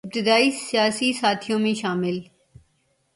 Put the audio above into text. ابتدائی سیاسی ساتھیوں میں شامل